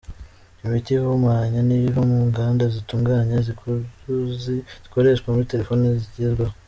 Imiti ihumanya niyo iva mu nganda zitunganya zikuruzi zikoreshwa muri telefoni zigezweho.